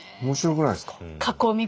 面白くないですか？